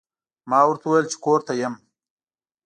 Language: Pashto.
ما ورته وویل چې کور ته یم.